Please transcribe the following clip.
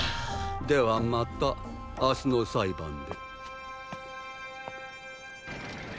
ではまた明日の裁判で。